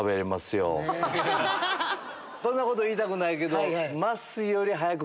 こんなこと言いたくないけど。